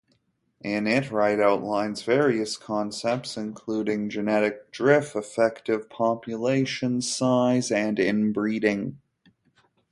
In it, Wright outlines various concepts, including genetic drift, effective population size, and inbreeding.